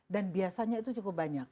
dan biasanya itu cukup banyak